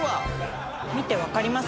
見て分かります？